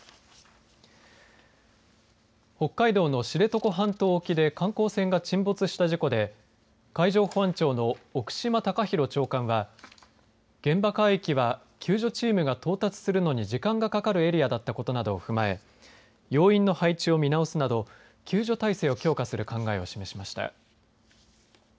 北海道の知床半島沖で観光船が沈没した事故で海上保安庁の奥島高弘長官は現場海域は救助チームが到達するのに時間がかかるエリアだったことなどを踏まえ要員の配置を見直すなど救助体制を強化する考えを示しました。